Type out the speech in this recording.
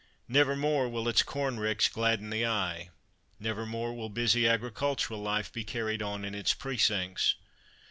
Never more will its cornricks gladden the eye never more will busy agricultural life be carried on in its precincts.